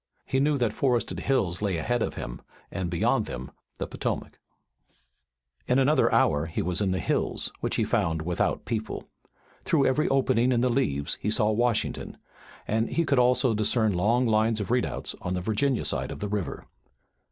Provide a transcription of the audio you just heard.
He knew that forested hills lay ahead of him and beyond them the Potomac. In another hour he was in the hills, which he found without people. Through every opening in the leaves he saw Washington and he could also discern long lines of redoubts on the Virginia side of the river.